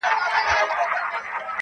تر سالو لاندي ګامونه -